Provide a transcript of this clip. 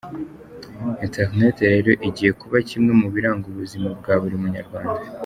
Internet rero igiye kuba kimwe mu biranga ubuzima bwa buri munyarwanda.